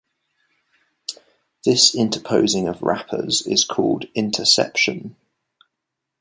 This interposing of wrappers is called "interception".